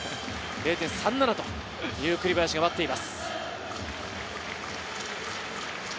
０．３７という栗林が待っています。